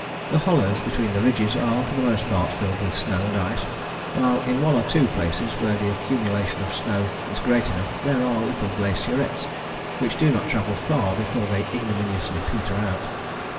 The hollows between the ridges are for the most part filled with snow and ice, while in one or two places where the accumulation of snow is great enough there are little glacierets which do not travel far before they ignominiously peter out.